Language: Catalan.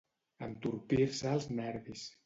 Entorpir-se els nervis.